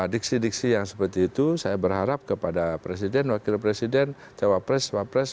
diksi diksi yang seperti itu saya berharap kepada presiden wakil presiden tewapres wapres